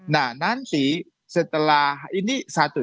nah nanti setelah ini satu